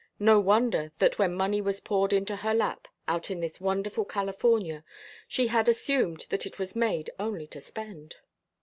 No wonder that when money was poured into her lap out in this wonderful California she had assumed that it was made only to spend.